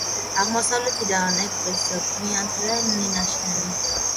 აღმოსავლეთიდან ეკვრის გვიანდელი მინაშენი.